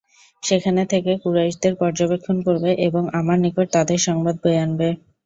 সেখানে থেকে কুরাইশদের পর্যবেক্ষণ করবে এবং আমার নিকট তাদের সংবাদ বয়ে আনবে।